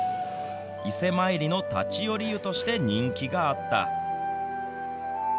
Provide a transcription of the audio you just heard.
伊勢参りの立ち寄り湯として人気があった。